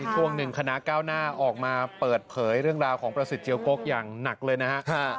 ช่วงหนึ่งคณะก้าวหน้าออกมาเปิดเผยเรื่องราวของประสิทธิเจียวกกอย่างหนักเลยนะฮะ